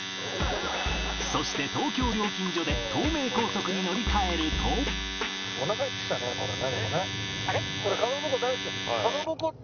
そして東京料金所で東名高速に乗り換えるとかまぼこって。